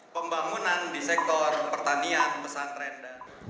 pembangunan di sektor pertanian pesantren dan